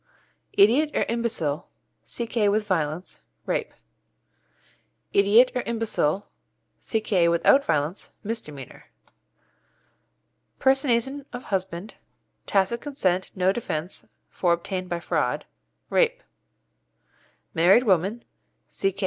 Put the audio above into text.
Idiot or imbecile C.K. with violence Rape. Idiot or imbecile C.K. without violence Misdemeanour. Personation of husband Rape. Tacit consent no defence, for obtained by fraud. Married woman C.K.